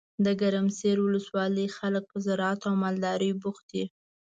دګرمسیر ولسوالۍ خلګ په زراعت او مالدارۍ بوخت دي.